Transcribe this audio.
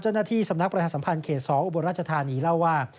เจ้าหน้าที่สำนักประชาสัมพันธ์เขต๒อุบลราชธานีเล่าว่า